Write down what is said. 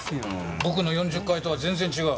僕の４０階とは全然違う。